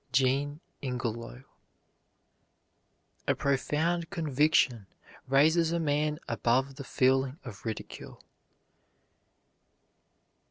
JEAN INGELOW. A profound conviction raises a man above the feeling of ridicule.